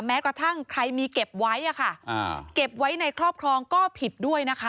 แม้กระทั่งใครมีเก็บไว้เก็บไว้ในครอบครองก็ผิดด้วยนะคะ